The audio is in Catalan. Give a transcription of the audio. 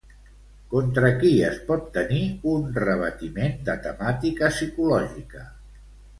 Contra qui es pot tenir un rebatiment de temàtica psicològica?